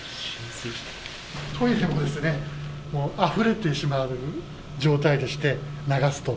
トイレもあふれてしまう状態でして、流すと。